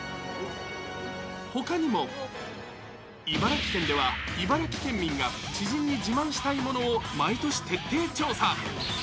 ほかにも、茨城県では茨城県民が知人に自慢したいものを毎年徹底調査。